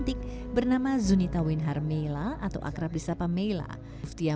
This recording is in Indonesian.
bisa membahagiakan keluarga juga